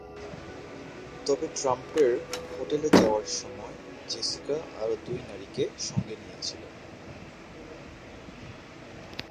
তবে ট্রাম্পের হোটেলে যাওয়ার সময় জেসিকা আরও দুই নারীকে সঙ্গে নিয়েছিলেন।